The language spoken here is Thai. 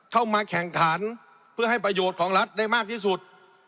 เข้ามาแข่งขันเพื่อให้ประโยชน์ของรัฐได้มากที่สุด